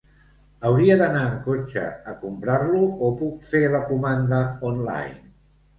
Hauria d'anar en cotxe a comprar-lo, o puc fer la comanda online?